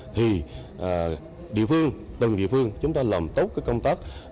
thì địa phương từng địa phương chúng ta làm tốt cái công tác